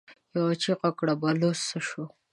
يوه چيغه کړه: بلوڅ څه شو؟